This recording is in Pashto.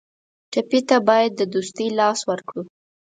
ټپي ته باید د دوستۍ لاس ورکړو.